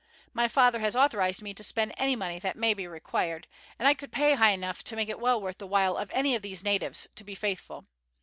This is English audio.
My father has authorized me to spend any money that may be required, and I could pay high enough to make it well worth the while of any of these natives to be faithful.